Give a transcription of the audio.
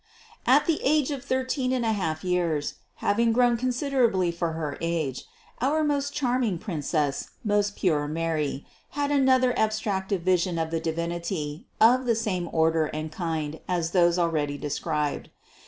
At the age of thirteen and a half years, having grown considerably for her age, our most charming Princess, most pure Mary, had another abstractive vision of the Divinity of the same order and kind as those already described.